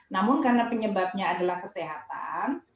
namun karena penyebabnya adalah kesehatan